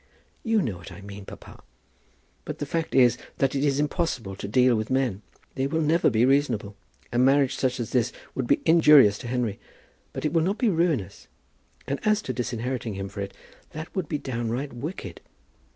"You know what I mean, papa. But the fact is, that it is impossible to deal with men. They will never be reasonable. A marriage such as this would be injurious to Henry; but it will not be ruinous; and as to disinheriting him for it, that would be downright wicked."